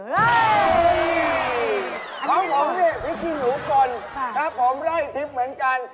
ของพี่พิธีหนูก่อนถ้าผมได้ทริปเหมือนกัน